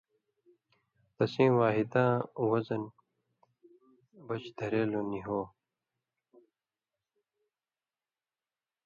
تسیں واحداں وزن بچ دھرېلوۡ نی ہو،